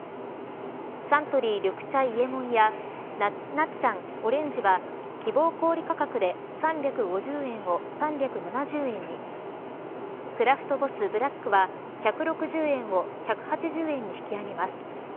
サントリー緑茶、伊右衛門やなっちゃんオレンジは希望小売価格で３５０円を３７０円にクラフトボスブラックは１６０円を１８０円に引き上げます。